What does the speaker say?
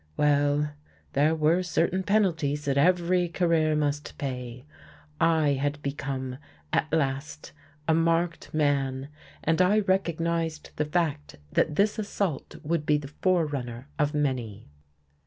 Well, there were certain penalties that every career must pay. I had become, at last, a marked man, and I recognized the fact that this assault would be the forerunner of many.